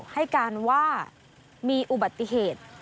ให้การว่ามีอุบัติเหตุ